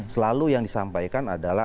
selalu yang disampaikan adalah